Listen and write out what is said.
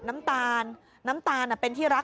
เย็นไปอยู่บ้านตะวันดีเลย